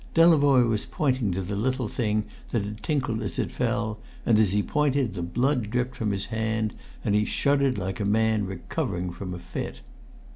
Delavoye was pointing to the little thing that had tinkled as it fell, and as he pointed the blood dripped from his hand, and he shuddered like a man recovering from a fit.